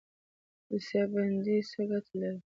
دوسیه بندي څه ګټه لري؟